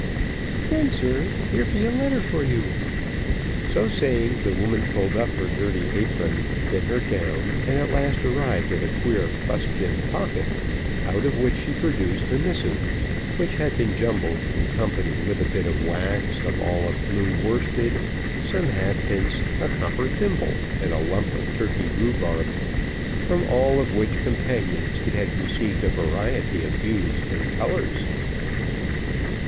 "Then, sir, here be a letter for you." So saying, the woman pulled up her dirty apron, then her gown, and at last arrived at a queer fustian pocket, out of which she produced the missive, which had been jumbled in company with a bit of wax, a ball of blue worsted, some halfpence, a copper thimble, and a lump of Turkey rhubarb, from all of which companions it had received a variety of hues and colours.